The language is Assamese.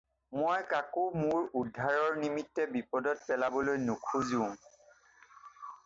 মই কাকো মোৰ উদ্ধাৰৰ নিমিত্তে বিপদত পেলাবলৈ নোখোজোঁ।